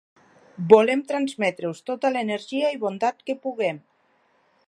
Volem transmetre-us tota l’energia i bondat que puguem.